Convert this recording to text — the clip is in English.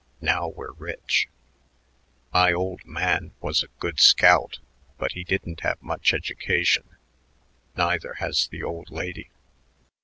Now we're rich." "My old man was a good scout, but he didn't have much education; neither has the old lady.